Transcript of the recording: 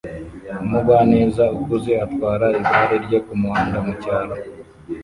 Umugwaneza ukuze atwara igare rye kumuhanda mucyaro